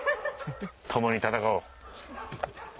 共に戦おう。